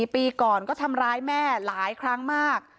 ปีก่อนก็ทำร้ายแม่หลายครั้งมาก